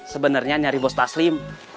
sebenarnya nyari bos taslim